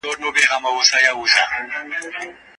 غریبان باید په ټولنه کي خوشحاله وي.